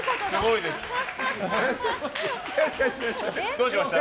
どうしました？